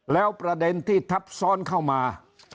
แล้วประเด็นที่ทับซ้อนเข้ามา